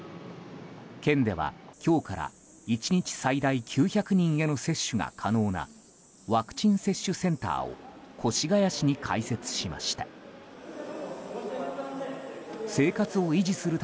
県では今日から１日最大９００人への接種が可能なワクチン接種センターを越谷市に開設しました。